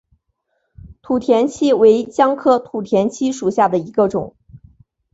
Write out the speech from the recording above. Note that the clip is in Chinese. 土田七为姜科土田七属下的一个种。